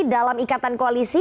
dalam ikatan koalisi